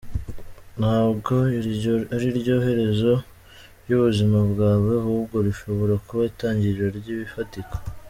Ntabwo iryo ari ryo herezo ry’ubuzima bwawe, ahubwo rishobora kuba itangiriro ry’ibifatika.